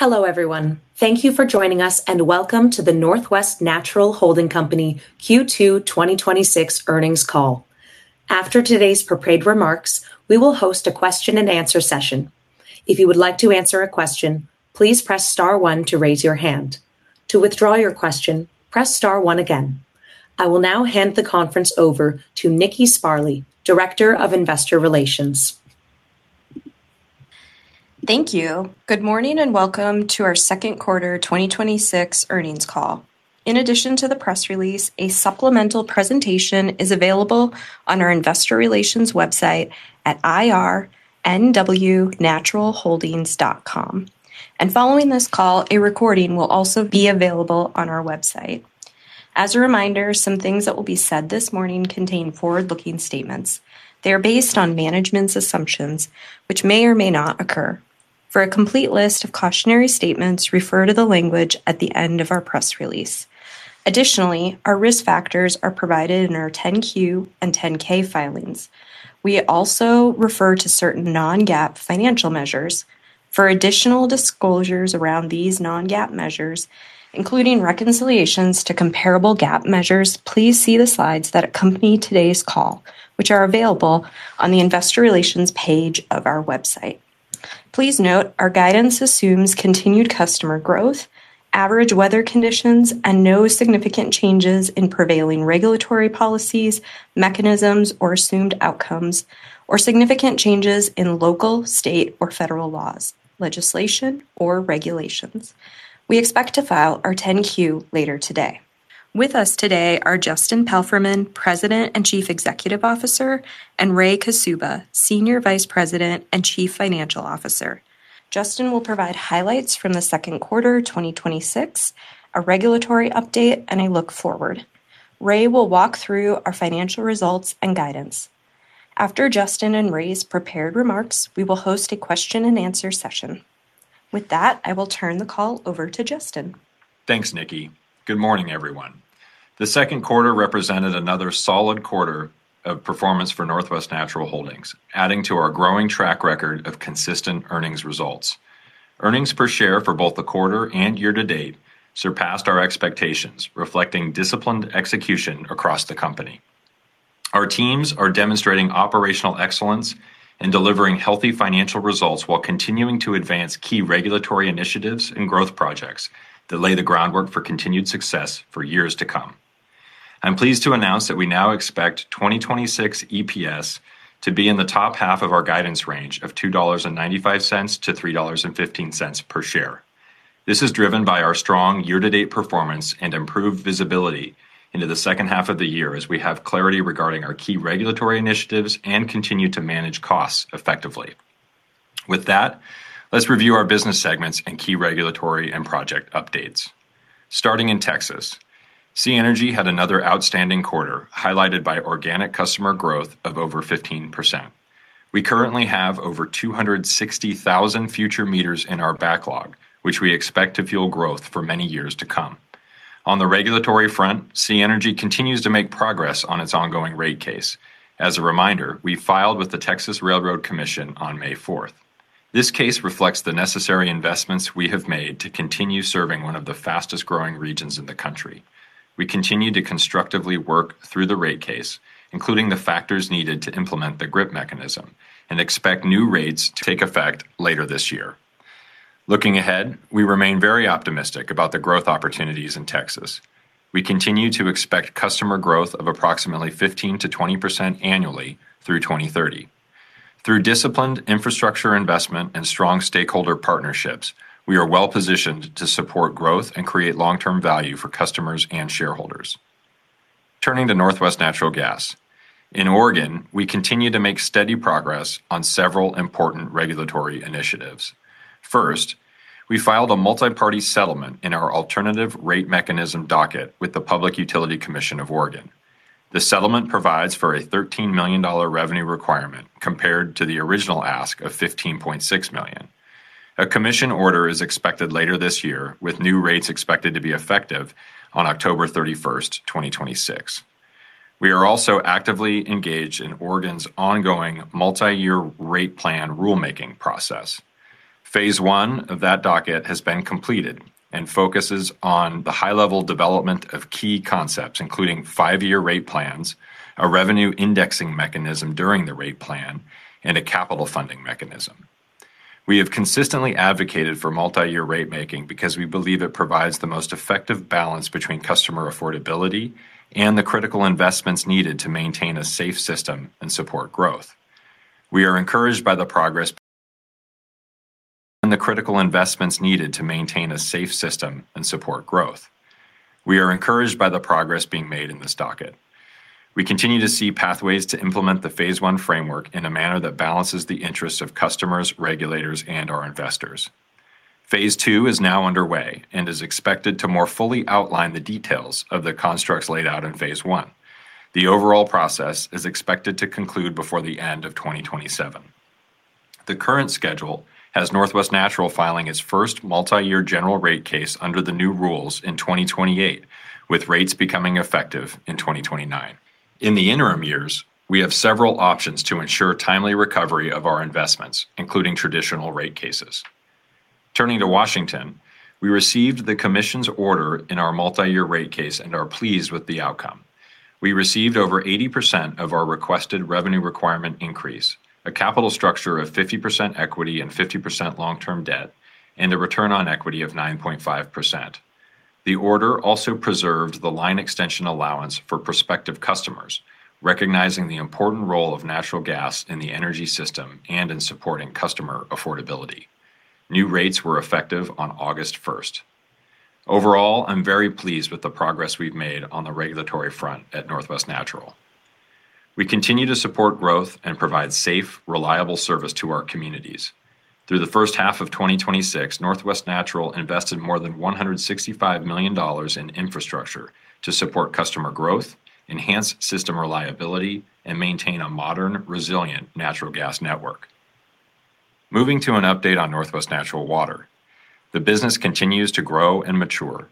Hello, everyone. Thank you for joining us, and welcome to the Northwest Natural Holding Company Q2 2026 earnings call. After today's prepared remarks, we will host a question and answer session. If you would like to answer a question, please press star one to raise your hand. To withdraw your question, press star one again. I will now hand the conference over to Nikki Sparley, Director of Investor Relations. Thank you. Good morning, and welcome to our second quarter 2026 earnings call. In addition to the press release, a supplemental presentation is available on our investor relations website at ir.nwnaturalholdings.com. Following this call a recording will also be available on our website. As a reminder, some things that will be said this morning contain forward-looking statements. They are based on management's assumptions, which may or may not occur. For a complete list of cautionary statements, refer to the language at the end of our press release. Additionally, our risk factors are provided in our 10-Q and 10-K filings. We also refer to certain non-GAAP financial measures. For additional disclosures around these non-GAAP measures, including reconciliations to comparable GAAP measures, please see the slides that accompany today's call, which are available on the investor relations page of our website. Please note our guidance assumes continued customer growth, average weather conditions, and no significant changes in prevailing regulatory policies, mechanisms, or assumed outcomes, or significant changes in local, state, or federal laws, legislation, or regulations. We expect to file our 10-Q later today. With us today are Justin Palfreyman, President and Chief Executive Officer, and Ray Kaszuba, Senior Vice President and Chief Financial Officer. Justin will provide highlights from the second quarter 2026, a regulatory update, and a look forward. Ray will walk through our financial results and guidance. After Justin and Ray's prepared remarks, we will host a question and answer session. With that, I will turn the call over to Justin. Thanks, Nikki. Good morning, everyone. The second quarter represented another solid quarter of performance for Northwest Natural Holdings, adding to our growing track record of consistent earnings results. Earnings per share for both the quarter and year to date surpassed our expectations, reflecting disciplined execution across the company. Our teams are demonstrating operational excellence and delivering healthy financial results while continuing to advance key regulatory initiatives and growth projects that lay the groundwork for continued success for years to come. I'm pleased to announce that we now expect 2026 EPS to be in the top half of our guidance range of $2.95-$3.15 per share. This is driven by our strong year-to-date performance and improved visibility into the second half of the year as we have clarity regarding our key regulatory initiatives and continue to manage costs effectively. With that, let's review our business segments and key regulatory and project updates. Starting in Texas, SiEnergy had another outstanding quarter, highlighted by organic customer growth of over 15%. We currently have over 260,000 future meters in our backlog, which we expect to fuel growth for many years to come. On the regulatory front, SiEnergy continues to make progress on its ongoing rate case. As a reminder, we filed with the Railroad Commission of Texas on May 4th. This case reflects the necessary investments we have made to continue serving one of the fastest-growing regions in the country. We continue to constructively work through the rate case, including the factors needed to implement the GRIP mechanism, and expect new rates to take effect later this year. Looking ahead, we remain very optimistic about the growth opportunities in Texas. We continue to expect customer growth of approximately 15%-20% annually through 2030. Through disciplined infrastructure investment and strong stakeholder partnerships, we are well-positioned to support growth and create long-term value for customers and shareholders. Turning to Northwest Natural Gas. In Oregon, we continue to make steady progress on several important regulatory initiatives. First, we filed a multi-party settlement in our alternative rate mechanism docket with the Oregon Public Utility Commission. The settlement provides for a $13 million revenue requirement compared to the original ask of $15.6 million. A commission order is expected later this year, with new rates expected to be effective on October 31st, 2026. We are also actively engaged in Oregon's ongoing multi-year rate plan rulemaking process. Phase I of that docket has been completed and focuses on the high-level development of key concepts. Including five-year rate plans, a revenue indexing mechanism during the rate plan, and a capital funding mechanism. We have consistently advocated for multi-year ratemaking because we believe it provides the most effective balance between customer affordability and the critical investments needed to maintain a safe system and support growth. We are encouraged by the progress being made in this docket. We continue to see pathways to implement the Phase I framework in a manner that balances the interests of customers, regulators, and our investors. Phase II is now underway and is expected to more fully outline the details of the constructs laid out in Phase I. The overall process is expected to conclude before the end of 2027. The current schedule has Northwest Natural filing its first multi-year general rate case under the new rules in 2028, with rates becoming effective in 2029. In the interim years, we have several options to ensure timely recovery of our investments, including traditional rate cases. Turning to Washington, we received the Commission's order in our multi-year rate case and are pleased with the outcome. We received over 80% of our requested revenue requirement increase, a capital structure of 50% equity and 50% long-term debt, and a return on equity of 9.5%. The order also preserved the line extension allowance for prospective customers, recognizing the important role of natural gas in the energy system and in supporting customer affordability. New rates were effective on August 1st. Overall, I'm very pleased with the progress we've made on the regulatory front at Northwest Natural. We continue to support growth and provide safe, reliable service to our communities. Through the first half of 2026, Northwest Natural invested more than $165 million in infrastructure to support customer growth, enhance system reliability, and maintain a modern, resilient natural gas network. Moving to an update on Northwest Natural Water, the business continues to grow and mature.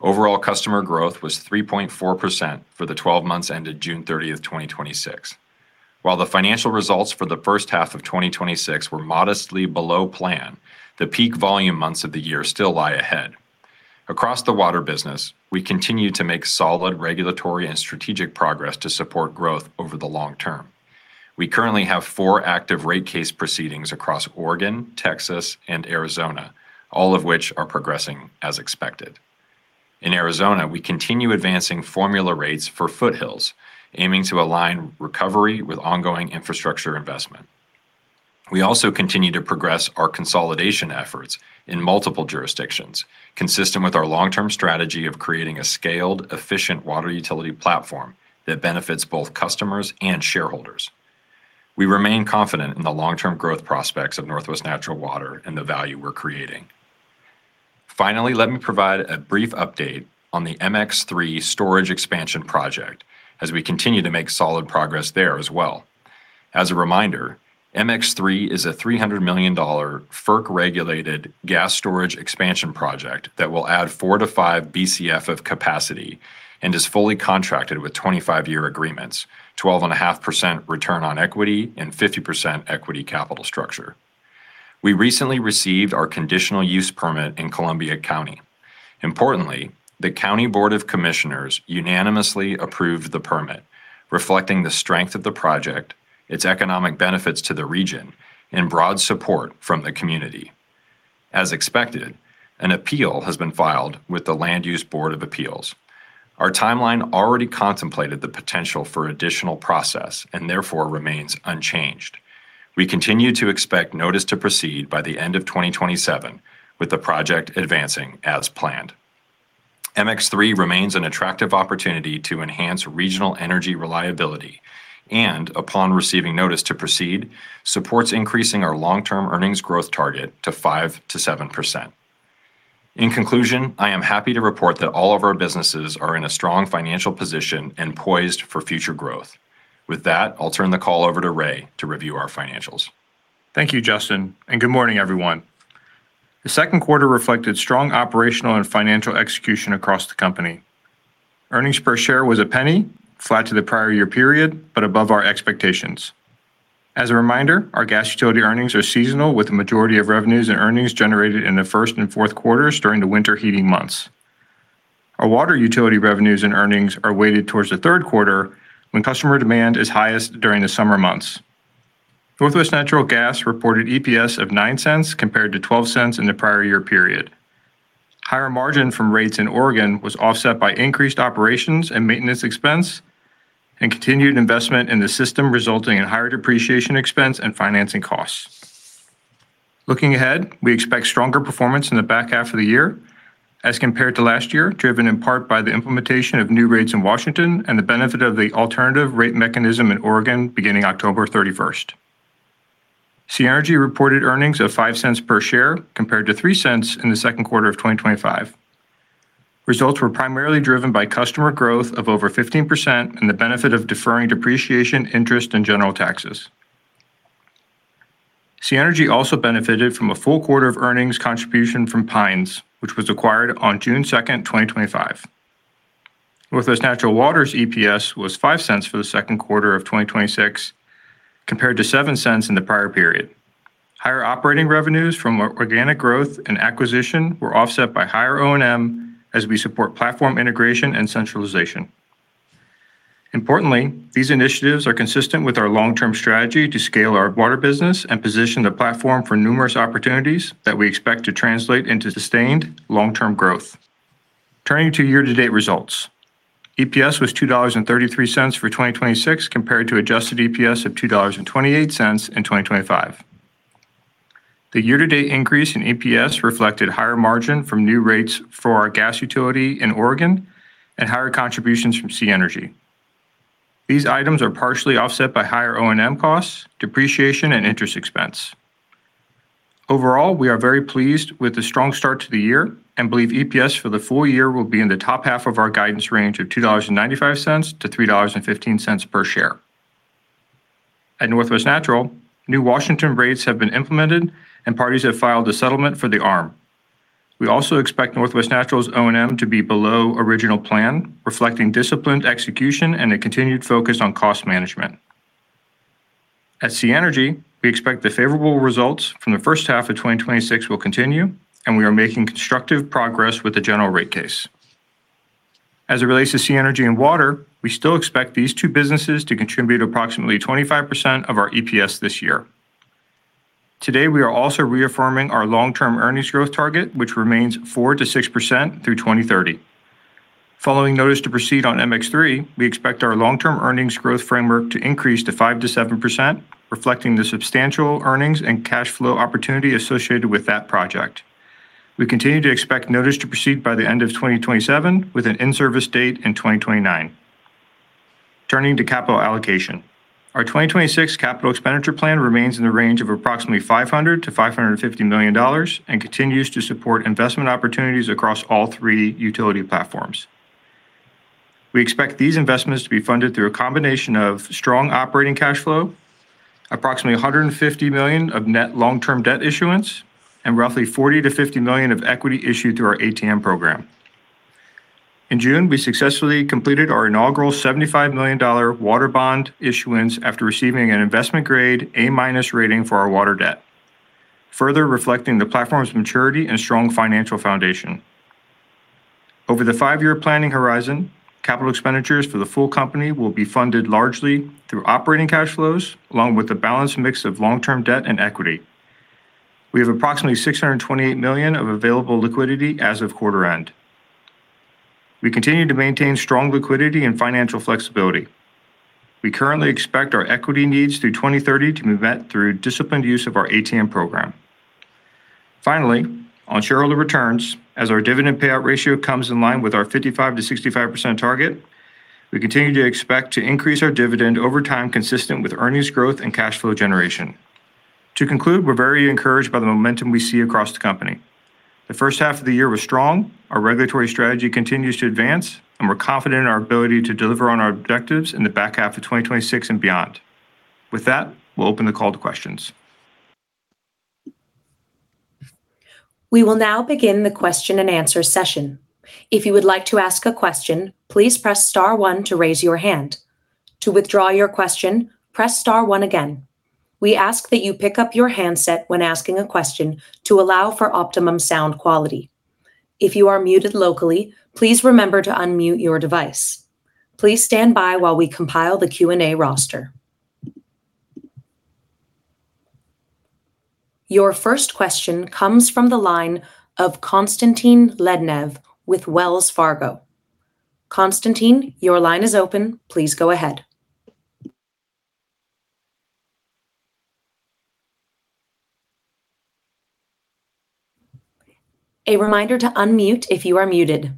Overall customer growth was 3.4% for the 12 months ended June 30th, 2026. While the financial results for the first half of 2026 were modestly below plan, the peak volume months of the year still lie ahead. Across the water business, we continue to make solid regulatory and strategic progress to support growth over the long term. We currently have four active rate case proceedings across Oregon, Texas, and Arizona all of which are progressing as expected. In Arizona, we continue advancing formula rates for Foothills, aiming to align recovery with ongoing infrastructure investment. We also continue to progress our consolidation efforts in multiple jurisdictions, consistent with our long-term strategy of creating a scaled efficient water utility platform that benefits both customers and shareholders. We remain confident in the long-term growth prospects of Northwest Natural Water and the value we're creating. Finally, let me provide a brief update on the MX3 storage expansion project as we continue to make solid progress there as well. As a reminder, MX3 is a $300 million FERC-regulated gas storage expansion project that will add four to five Bcf of capacity and is fully contracted with 25-year agreements, 12.5% return on equity and 50% equity capital structure. We recently received our conditional use permit in Columbia County. Importantly, the County Board of Commissioners unanimously approved the permit, reflecting the strength of the project, its economic benefits to the region, and broad support from the community. As expected, an appeal has been filed with the Land Use Board of Appeals. Our timeline already contemplated the potential for additional process and therefore remains unchanged. We continue to expect notice to proceed by the end of 2027 with the project advancing as planned. MX3 remains an attractive opportunity to enhance regional energy reliability and, upon receiving notice to proceed, supports increasing our long-term earnings growth target to 5%-7%. In conclusion, I am happy to report that all of our businesses are in a strong financial position and poised for future growth. With that, I'll turn the call over to Ray to review our financials. Thank you, Justin, and good morning, everyone. The second quarter reflected strong operational and financial execution across the company. Earnings per share was $0.01, flat to the prior year period, but above our expectations. As a reminder, our gas utility earnings are seasonal with the majority of revenues and earnings generated in the first and fourth quarters during the winter heating months. Our water utility revenues and earnings are weighted towards the third quarter when customer demand is highest during the summer months. Northwest Natural Gas reported EPS of $0.09 compared to $0.12 in the prior year period. Higher margin from rates in Oregon was offset by increased operations and maintenance expense and continued investment in the system, resulting in higher depreciation expense and financing costs. Looking ahead, we expect stronger performance in the back half of the year as compared to last year, driven in part by the implementation of new rates in Washington and the benefit of the alternative rate mechanism in Oregon beginning October 31st. SiEnergy reported earnings of $0.05 per share compared to $0.03 in the second quarter of 2025. Results were primarily driven by customer growth of over 15% and the benefit of deferring depreciation interest and general taxes. SiEnergy also benefited from a full quarter of earnings contribution from Pines, which was acquired on June 2nd, 2025. Northwest Natural Water's EPS was $0.05 for the second quarter of 2026 compared to $0.07 in the prior period. Higher operating revenues from organic growth and acquisition were offset by higher O&M as we support platform integration and centralization. Importantly, these initiatives are consistent with our long-term strategy to scale our water business and position the platform for numerous opportunities that we expect to translate into sustained long-term growth. Turning to year-to-date results. EPS was $2.33 for 2026 compared to adjusted EPS of $2.28 in 2025. The year-to-date increase in EPS reflected higher margin from new rates for our gas utility in Oregon and higher contributions from SiEnergy. These items are partially offset by higher O&M costs, depreciation, and interest expense. Overall, we are very pleased with the strong start to the year and believe EPS for the full year will be in the top half of our guidance range of $2.95-$3.15 per share. At Northwest Natural, new Washington rates have been implemented, and parties have filed a settlement for the ARM. We also expect Northwest Natural's O&M to be below original plan, reflecting disciplined execution and a continued focus on cost management. At SiEnergy, we expect the favorable results from the first half of 2026 will continue, and we are making constructive progress with the general rate case. As it relates to SiEnergy and Water, we still expect these two businesses to contribute approximately 25% of our EPS this year. Today, we are also reaffirming our long-term earnings growth target, which remains 4%-6% through 2030. Following notice to proceed on MX3, we expect our long-term earnings growth framework to increase to 5%-7%, reflecting the substantial earnings and cash flow opportunity associated with that project. We continue to expect notice to proceed by the end of 2027, with an in-service date in 2029. Turning to capital allocation. Our 2026 capital expenditure plan remains in the range of approximately $500 million-$550 million and continues to support investment opportunities across all three utility platforms. We expect these investments to be funded through a combination of strong operating cash flow, approximately $150 million of net long-term debt issuance, and roughly $40 million-$50 million of equity issued through our ATM program. In June, we successfully completed our inaugural $75 million water bond issuance after receiving an investment grade A- rating for our water debt, further reflecting the platform's maturity and strong financial foundation. Over the five-year planning horizon, capital expenditures for the full company will be funded largely through operating cash flows, along with a balanced mix of long-term debt and equity. We have approximately $628 million of available liquidity as of quarter end. We continue to maintain strong liquidity and financial flexibility. We currently expect our equity needs through 2030 to be met through disciplined use of our ATM program. Finally, on shareholder returns, as our dividend payout ratio comes in line with our 55%-65% target, we continue to expect to increase our dividend over time consistent with earnings growth and cash flow generation. To conclude, we're very encouraged by the momentum we see across the company. The first half of the year was strong. Our regulatory strategy continues to advance, and we're confident in our ability to deliver on our objectives in the back half of 2026 and beyond. With that, we'll open the call to questions. We will now begin the question-and-answer session. If you would like to ask a question, please press star one to raise your hand. To withdraw your question, press star one again. We ask that you pick up your handset when asking a question to allow for optimum sound quality. If you are muted locally, please remember to unmute your device. Please stand by while we compile the Q&A roster. Your first question comes from the line of Constantine Lednev with Wells Fargo. Constantine, your line is open. Please go ahead. A reminder to unmute if you are muted.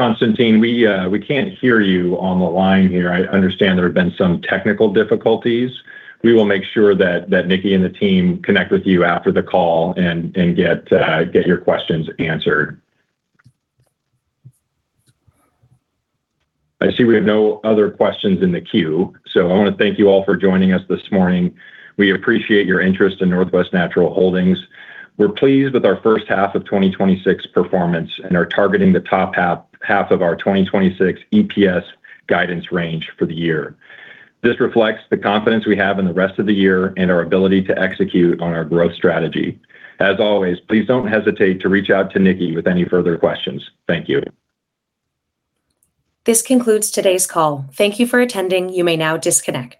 Constantine, we can't hear you on the line here. I understand there have been some technical difficulties. We will make sure that Nikki and the team connect with you after the call and get your questions answered. I see we have no other questions in the queue, so I want to thank you all for joining us this morning. We appreciate your interest in Northwest Natural Holdings. We're pleased with our first half of 2026 performance and are targeting the top half of our 2026 EPS guidance range for the year. This reflects the confidence we have in the rest of the year and our ability to execute on our growth strategy. As always, please don't hesitate to reach out to Nikki with any further questions. Thank you. This concludes today's call. Thank you for attending. You may now disconnect